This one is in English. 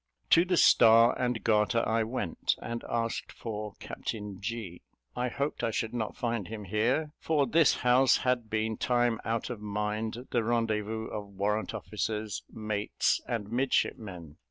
To the Star and Garter I went, and asked for Captain G. I hoped I should not find him here; for this house had been, time out of mind, the rendezvous of warrant officers, mates, and midshipmen.